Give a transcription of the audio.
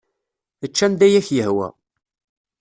Ečč anda ay ak-yehwa.